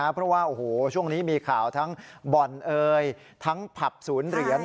เพราะว่าโอ้โหช่วงนี้มีข่าวทั้งบ่อนเอ่ยทั้งผับศูนย์เหรียญ